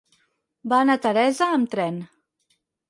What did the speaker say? Va anar a Teresa amb tren.